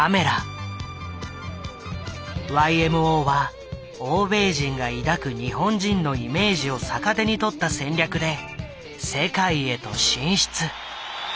ＹＭＯは欧米人が抱く日本人のイメージを逆手にとった戦略で世界へと進出。